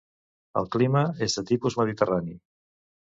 El clima és de tipus mediterrani.